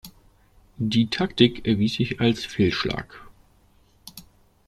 Die Taktik erwies sich als Fehlschlag.